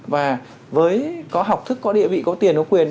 và với có học thức có địa vị có tiền có quyền